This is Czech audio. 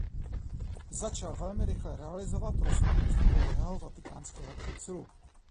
Začal velmi rychle realizovat rozhodnutí Druhého vatikánského koncilu.